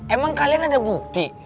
emang kalian ada bukti